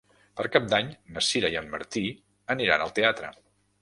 Per Cap d'Any na Sira i en Martí aniran al teatre.